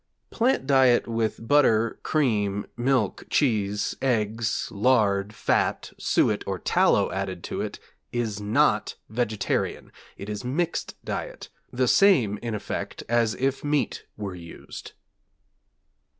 Plant diet with butter, cream, milk, cheese, eggs, lard, fat, suet, or tallow added to it, is not vegetarian; it is mixed diet; the same in effect as if meat were used.